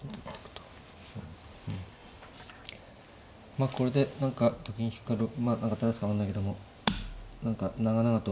まあこれで何かと金引くかまあ大して変わんないけども何か長々と。